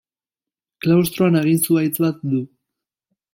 Klaustroan hagin zuhaitz bat du.